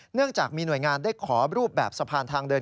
เนื่องจากมีหน่วยงานได้ขอรูปแบบสะพานทางเดิน